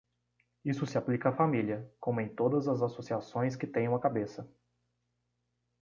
Isso se aplica à família, como em todas as associações que têm uma cabeça.